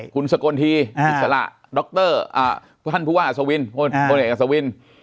คุณสกลทีอิสระดรพุทธันภูวาอาสวิน